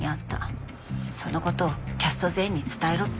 「その事をキャスト全員に伝えろ」って。